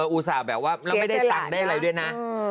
อุตส่าห์แบบว่าแล้วไม่ได้ตังค์ได้อะไรด้วยนะ